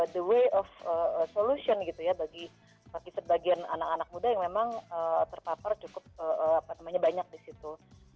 the way of solution gitu ya bagi sebagian anak anak muda yang memang terpapar cukup banyak di situ